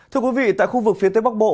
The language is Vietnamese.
thưa quý vị tại khu vực phía tây bắc bộ